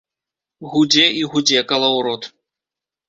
Гудзе і гудзе калаўрот.